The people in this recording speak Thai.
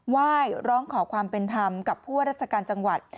ไหว้ร้องขอความเป็นธรรมกับผู้ว่าราชการจังหวัด